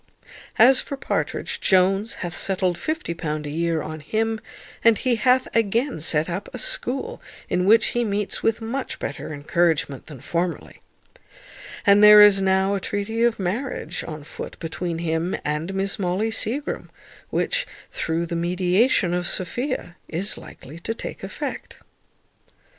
As for Partridge, Jones hath settled £50 a year on him; and he hath again set up a school, in which he meets with much better encouragement than formerly, and there is now a treaty of marriage on foot between him and Miss Molly Seagrim, which, through the mediation of Sophia, is likely to take effect.